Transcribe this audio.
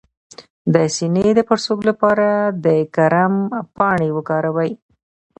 د سینې د پړسوب لپاره د کرم پاڼې وکاروئ